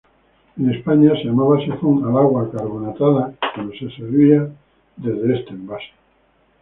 En España se llamaba sifón al agua carbonatada cuando se servía desde este envase.